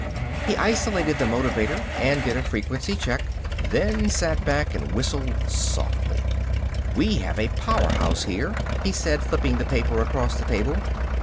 He isolated the motivator and did a frequency check. Then sat back and whistled softly. "We have a powerhouse here," he said, flipping the paper across the table.